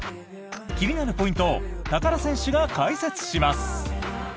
気になるポイントを高田選手が解説します！